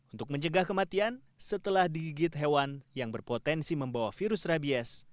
untuk mencegah kematian setelah digigit hewan yang berpotensi membawa virus rabies